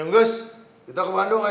ya guys kita ke bandung ayo